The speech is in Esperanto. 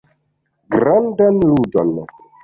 Grandan ludon.